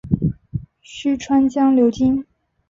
虚川江流经。